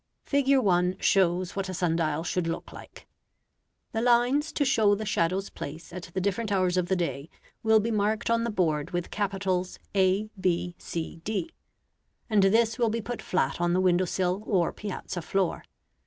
Fig. 1 shows what a sun dial should look like. The lines to show the shadow's place at the different hours of the day will be marked on the board ABCD, and this will be put flat on the window sill or piazza floor.